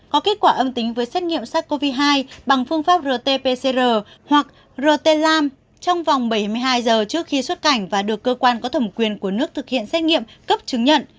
có kết quả âm tính với xét nghiệm sars cov hai bằng phương pháp rt pcr hoặc rt lam trong vòng bảy mươi hai giờ trước khi xuất cảnh và được cơ quan có thẩm quyền của nước thực hiện xét nghiệm cấp chứng nhận